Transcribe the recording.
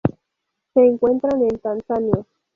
Se encuentran en Tanzania.